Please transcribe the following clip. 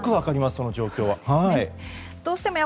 その状況は。